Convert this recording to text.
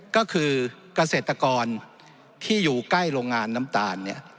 ก็คือเกษตรกรที่อยู่ใกล้โรงงานน้ำตาล